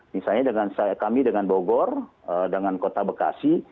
misalnya dengan kami dengan bogor dengan kota bekasi